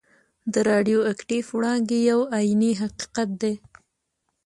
د راډیو اکټیف وړانګې یو عیني حقیقت دی.